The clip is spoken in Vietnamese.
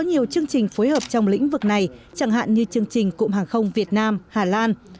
nhiều chương trình phối hợp trong lĩnh vực này chẳng hạn như chương trình cụm hàng không việt nam hà lan